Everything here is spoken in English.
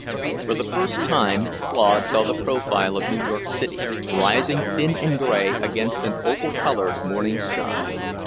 For the first time Claude saw the profile of New York City, rising thin and gray against an opal coloured morning sky.